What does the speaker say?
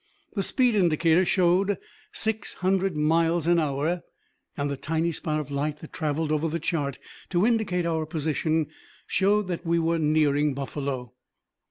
The speed indicator showed six hundred miles an hour, and the tiny spot of light that traveled over the chart to indicate our position showed that we were nearing Buffalo.